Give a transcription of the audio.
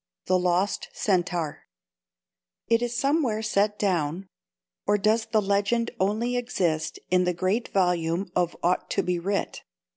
The Lost Centaur It is somewhere set down (or does the legend only exist in the great volume of ought to be writ?)